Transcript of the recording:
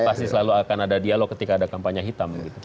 pasti selalu akan ada dialog ketika ada kampanye hitam